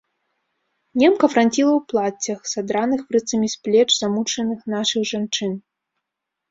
Немка франціла ў плаццях, садраных фрыцамі з плеч замучаных нашых жанчын.